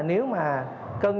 nếu mà chúng ta không có